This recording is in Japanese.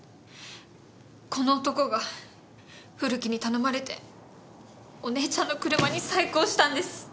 この男が古木に頼まれてお姉ちゃんの車に細工をしたんです。